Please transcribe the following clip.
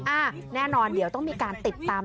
อ่าแน่นอนเดี๋ยวต้องมีการติดตาม